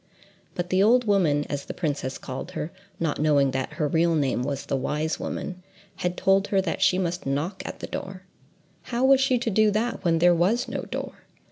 But the old woman—as the princess called her, not knowing that her real name was the Wise Woman—had told her that she must knock at the door: how was she to do that when there was no door?